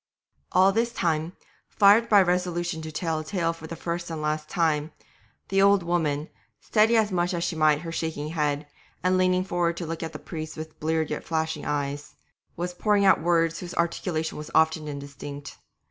All this time, fired by a resolution to tell a tale for the first and last time, the old woman, steadying as much as she might her shaking head, and leaning forward to look at the priest with bleared yet flashing eyes, was pouring out words whose articulation was often indistinct.